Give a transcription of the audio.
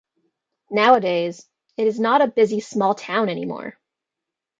Nowadays, it is not a busy small town anymore.